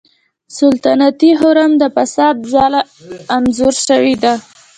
سلطنتي حرم د فساد ځاله انځور شوې ده.